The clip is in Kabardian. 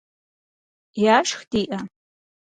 Яшх диӏэ?